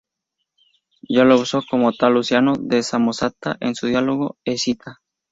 Ya lo usó como tal Luciano de Samosata en su diálogo "Escita".